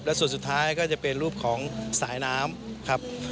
และส่วนสุดท้ายก็จะเป็นรูปของสายน้ำครับ